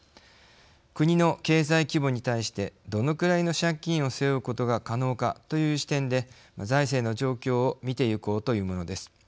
国の経済規模に対してどのくらいの借金を背負うことが可能かという視点で財政の状況を見ていこうというものです。